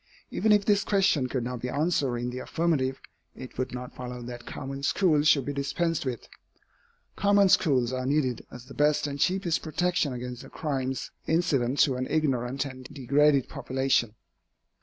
Even if this question could not be answered in the affirmative, it would not follow that common schools should be dispensed with. Common schools are needed as the best and cheapest protection against the crimes incident to an ignorant and degraded population.